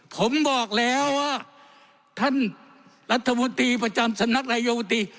ผมบอกแล้วว่าท่านรัฐมนตรีประจำสำนักนายโยมตรี